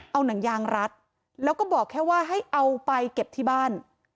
เอาหนังยางรัดแล้วก็บอกแค่ว่าให้เอาไปเก็บที่บ้าน